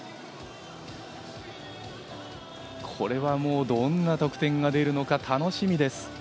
これはどんな得点が出るのか楽しみです。